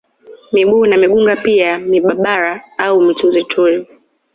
Mibuyu na migunga pia mibabara au miturituri